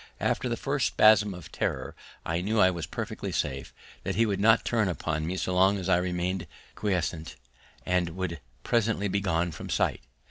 After the first spasm of terror I knew I was perfectly safe, that he would not turn upon me so long as I remained quiescent, and would presently be gone from sight.